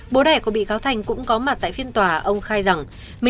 bố đẻ của bị cáo thành cũng có mặt tại phiên tòa ông khai rằng